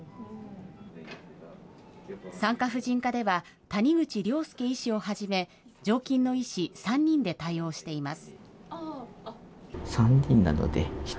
産科婦人科では谷口綾亮医師をはじめ、常勤の医師３人で対応しています。